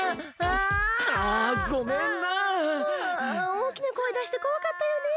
おおきなこえだしてこわかったよね。